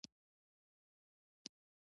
پر سر یې څراغونو وړانګې غورځولې.